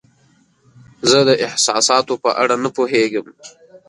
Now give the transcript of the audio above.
زه د احساساتو په اړه نه پوهیږم.